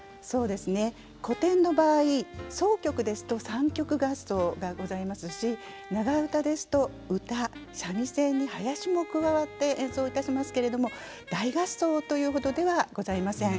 古典の場合箏曲ですと三曲合奏がございますし長唄ですと唄三味線に囃子も加わって演奏いたしますけれども大合奏というほどではございません。